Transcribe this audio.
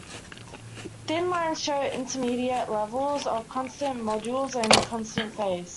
Thin lines show intermediate levels of constant modulus and constant phase.